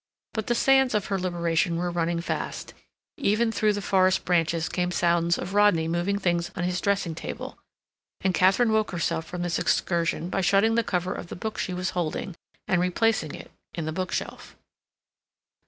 But the sands of her liberation were running fast; even through the forest branches came sounds of Rodney moving things on his dressing table; and Katharine woke herself from this excursion by shutting the cover of the book she was holding, and replacing it in the bookshelf.